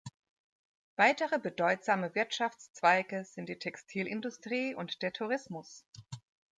Weitere bedeutsame Wirtschaftszweige sind die Textilindustrie und der Tourismus.